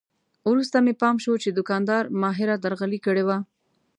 وروسته مې پام شو چې دوکاندار ماهره درغلي کړې وه.